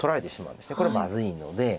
これはまずいので。